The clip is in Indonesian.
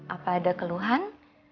apa ada keluhan